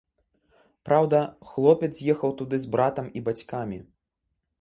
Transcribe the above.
Праўда, хлопец з'ехаў туды з братам і бацькамі.